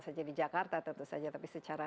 saja di jakarta tentu saja tapi secara